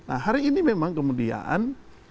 nah hari ini memang kemudian